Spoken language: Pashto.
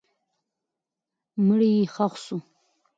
مړی یې ښخ سو.